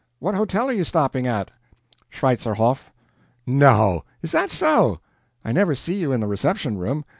What hotel are you stopping at?" "Schweitzerhof." "No! is that so? I never see you in the reception room.